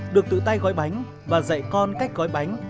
được tự tay gói bánh và dạy con cách gói bánh